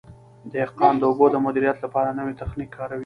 دهقان د اوبو د مدیریت لپاره نوی تخنیک کاروي.